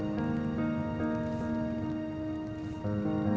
kita mampir makan dulu